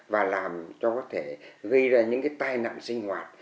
và làm cho có thể gây ra những cái tai nặng sinh hoạt